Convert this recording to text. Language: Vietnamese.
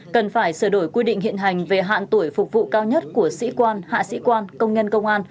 cần phải sửa đổi quy định hiện hành về hạn tuổi phục vụ cao nhất của sĩ quan hạ sĩ quan công nhân công an